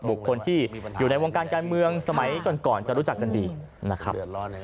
บุคคลที่อยู่ในวงการการเมืองสมัยก่อนจะรู้จักกันดีนะครับ